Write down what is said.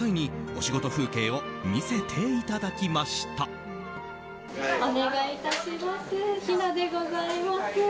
お願いいたします。